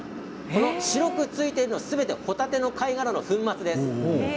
白くついているのはすべてほたての貝殻の粉末です。